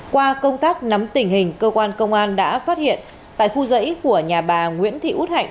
qua công tác nắm tình hình cơ quan công an đã phát hiện tại khu dãy của nhà bà nguyễn thị út hạnh